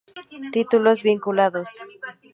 Títulos vinculados